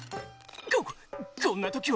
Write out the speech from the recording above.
ここんなときは？